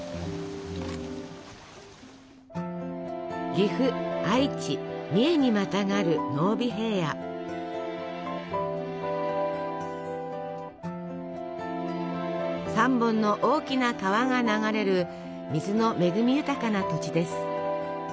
岐阜愛知三重にまたがる３本の大きな川が流れる水の恵み豊かな土地です。